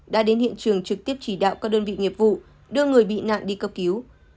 đã đến hiện trường trực tiếp chỉ đạo các đơn vị nghiệp vụ đưa người bị nạn đi cấp cứu